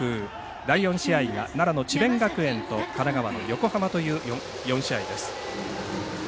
第４試合は奈良の智弁学園と神奈川の横浜という４試合です。